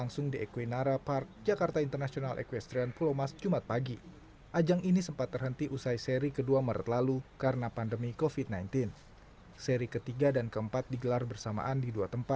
saya prasidha puspa pamit selamat sore sampai jumpa